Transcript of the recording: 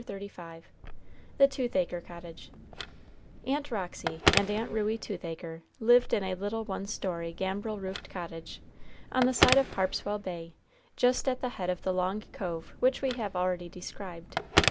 CHAPTER XXXV THE TOOTHACRE COTTAGE Aunt Roxy and Aunt Ruey Toothacre lived in a little one story gambrel roofed cottage, on the side of Harpswell Bay, just at the head of the long cove which we have already described.